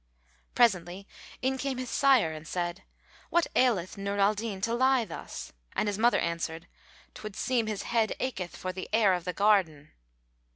Presently in came his sire and said, "What aileth Nur al Din to lie thus?"; and his mother answered, "'Twould seem his head acheth for the air of the garden."